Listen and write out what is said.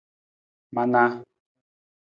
Manaa.